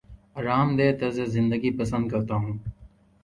آرام دہ طرز زندگی پسند کرتا ہوں